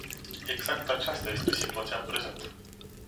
Exact aceasta este situația în prezent!